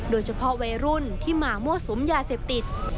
โดยเฉพาะวัยรุ่นที่มามั่วสุมยาเสพติด